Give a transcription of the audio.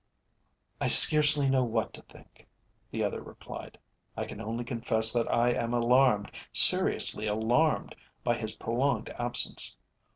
"I scarcely know what to think," the other replied. "I can only confess that I am alarmed, seriously alarmed, by his prolonged absence.